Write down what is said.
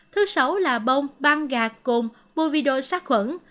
thứ sáu là bông băng gạt cồn mùi vi đôi sát khuẩn